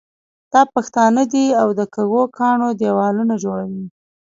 دا پښتانه دي او د کږو کاڼو دېوالونه جوړوي.